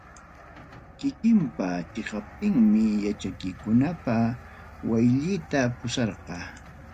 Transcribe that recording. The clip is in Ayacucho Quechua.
Kikinpi chiqaptinmi, yachaykunapi waylluyta pusarqa.